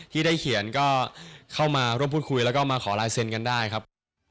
ที่ได้เขียนก็เข้ามาร่วมพูดคุยแล้วก็มาขอลายเซ็นต์กันได้ครับ